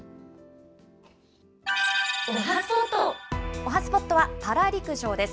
おはＳＰＯＴは、パラ陸上です。